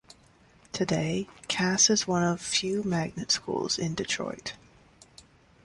Today, Cass is one of few magnet schools in Detroit.